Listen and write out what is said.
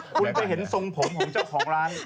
คุณจะเห็นทรงผมของเจ้าของร้าน